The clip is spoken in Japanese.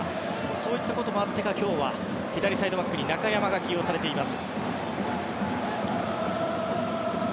そういったこともあって今日は左サイドバックに中山が起用されています。